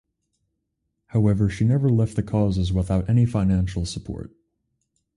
However she never left the causes without any financial support.